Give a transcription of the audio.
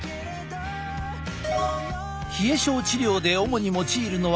冷え症治療で主に用いるのは漢方薬。